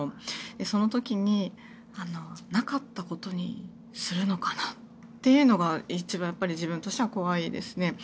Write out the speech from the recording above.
その時に、なかったことにするのかな？っていうのが一番自分としては怖いですね。